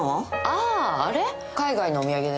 あああれ？